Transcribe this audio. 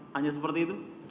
hanya seperti itu